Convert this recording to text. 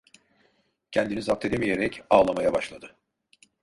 Kendini zapt edemeyerek ağlamaya başladı.